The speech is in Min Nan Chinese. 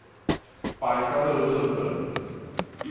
排甲躼躼長